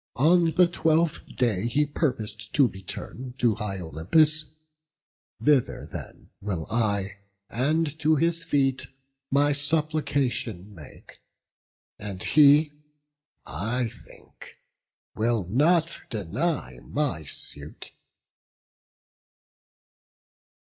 On the twelfth day he purpos'd to return To high Olympus; thither then will I, And to his feet my supplication make; And he, I think, will not deny my suit."